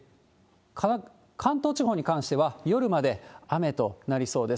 関東地方に関しては、夜まで雨となりそうです。